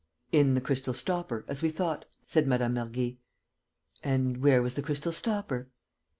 "In the crystal stopper, as we thought," said Mme. Mergy. "And where was the crystal stopper?"